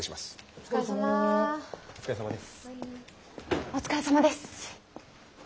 お疲れさまです！